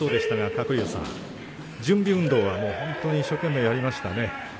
鶴竜さん準備運動は本当に一生懸命やりましたね。